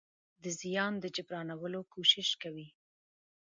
د زيان د جبرانولو کوشش کوي.